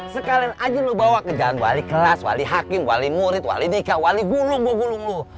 sekalian aja lu bawa ke jalan wali kelas wali hakim wali murid wali nikah wali gulung gua gulung lu